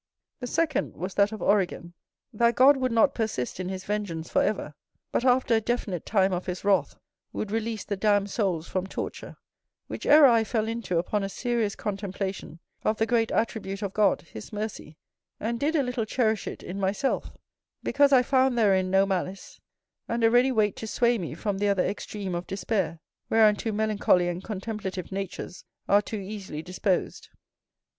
The second was that of Origen; that God would not persist in his vengeance for ever, but, after a definite time of his wrath, would release the damned souls from torture; which error I fell into upon a serious contemplation of the great attribute of God, his mercy; and did a little cherish it in myself, because I found therein no malice, and a ready weight to sway me from the other extreme of despair, whereunto melancholy and contemplative natures are too easily disposed.